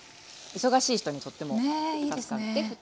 忙しい人にとっても助かる。